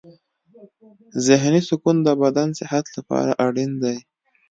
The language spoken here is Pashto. ذهني سکون د بدن صحت لپاره اړین دی.